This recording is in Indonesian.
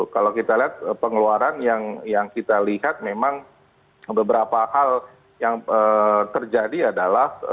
kalau kita lihat pengeluaran yang kita lihat memang beberapa hal yang terjadi adalah